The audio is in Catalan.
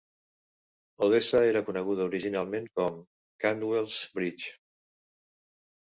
Odessa era coneguda originàriament com Cantwell's Bridge.